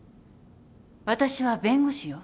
私は弁護士よ。